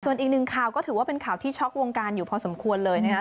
ส่วนอีกหนึ่งข่าวก็ถือว่าเป็นข่าวที่ช็อกวงการอยู่พอสมควรเลยนะครับ